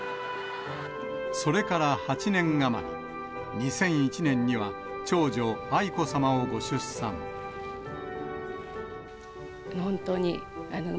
それから８年余り、２００１年には、長女、愛子さまをご出産。